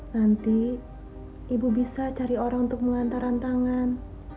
nanti ibu bisa cari orang untuk mengantar rantangan